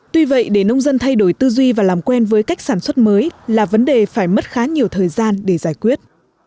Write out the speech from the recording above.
tuy vậy để nông dân thay đổi tư duy và làm quen với cách sản xuất mới là vấn đề phải mất khá nhiều thời gian để giải quyết